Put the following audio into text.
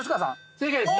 正解です。